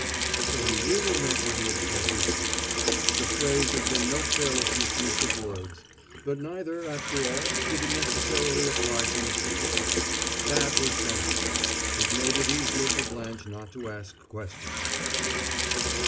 So he really meant what he had said before. The phrase had been no careless misuse of words; but neither, after all, did it necessarily apply to Mr. Toye. That was something. It made it easier for Blanche not to ask questions.